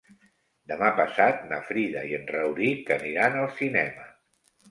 Demà passat na Frida i en Rauric aniran al cinema.